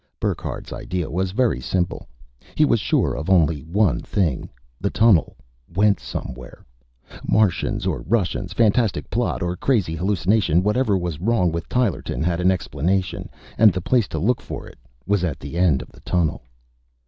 Burckhardt's idea was very simple. He was sure of only one thing the tunnel went somewhere. Martians or Russians, fantastic plot or crazy hallucination, whatever was wrong with Tylerton had an explanation, and the place to look for it was at the end of the tunnel.